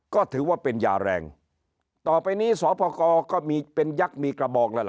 ก็ถือว่าเป็นยาแรงต่อไปนี้สพกรก็มีเป็นยักษ์มีกระบองแล้วล่ะ